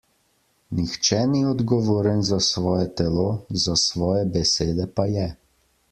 Nihče ni odgovoren za svoje telo, za svoje besede pa je.